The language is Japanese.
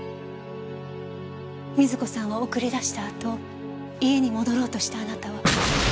瑞子さんを送り出したあと家に戻ろうとしたあなたは。